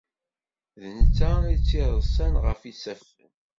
D netta i tt-ireṣṣan ɣef isaffen.